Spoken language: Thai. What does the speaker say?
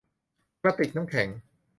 กระติกน้ำแข็ง